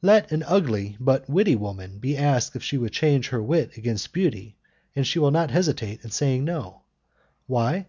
Let an ugly but witty woman be asked if she would change her wit against beauty, and she will not hesitate in saying no. Why?